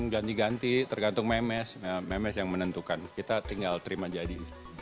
ganti ganti tergantung memes memes yang menentukan kita tinggal terima jadi